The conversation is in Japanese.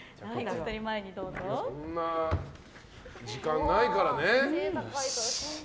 そんな時間ないからね。